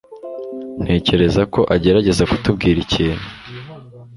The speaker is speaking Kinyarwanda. Ntekereza ko agerageza kutubwira ikintu.